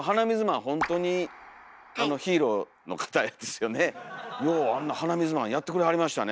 ようあんな鼻水マンやってくれはりましたね。